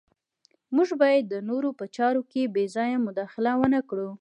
موږ باید د نورو په چارو کې بې ځایه مداخله ونه کړو.